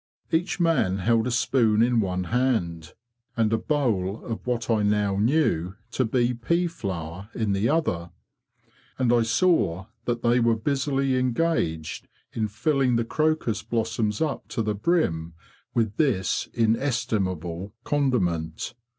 Each man held a spoon in one hand and a bowl of what I now knew to be pea flour in the other, and I saw that they were busily engaged in filling the crocus blossoms up to the brim with this inestimable condiment.